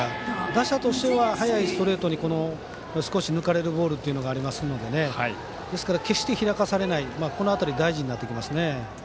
打者としては速いストレートに少し抜かれるボールっていうのがありますのでですから決して開かされないというのが大事になってきますね。